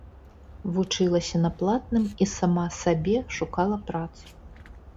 Вучылася на платным і сама сабе шукала працу.